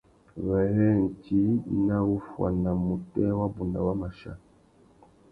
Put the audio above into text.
Wêrê djï nà wuffuana mutēh wabunda wa mà chia.